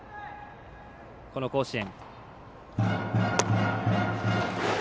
この甲子園。